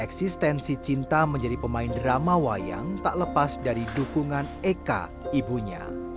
eksistensi cinta menjadi pemain drama wayang tak lepas dari dukungan eka ibunya